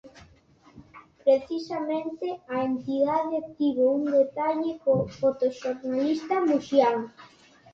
Precisamente a entidade tivo un detalle co fotoxornalista muxián.